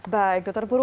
baik dokter purwo